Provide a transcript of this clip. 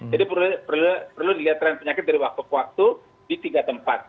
jadi perlu dilihat tren penyakit dari waktu ke waktu di tiga tempat